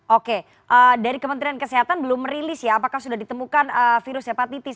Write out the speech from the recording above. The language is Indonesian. oke dari kementerian kesehatan belum merilis ya apakah sudah ditemukan virus hepatitis